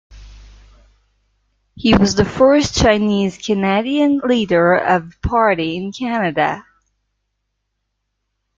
He was the first Chinese Canadian leader of a party in Canada.